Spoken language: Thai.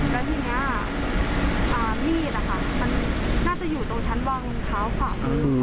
และที่นี่นี้มีดมันน่าจะอยู่ตรงชั้นวังขาวขวัง